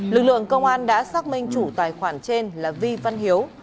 lực lượng công an đã xác minh chủ tài khoản trên là vi văn hiếu